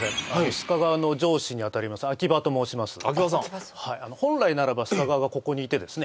須賀川の上司にあたります場と申します場さんはい本来ならば須賀川がここにいてですね